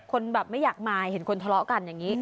คนแบบไม่อยากมาเห็นคนทะเลาะกันอย่างนี้